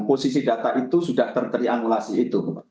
posisi data itu sudah ter triangulasi itu